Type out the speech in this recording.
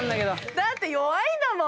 「だって弱いんだもん」！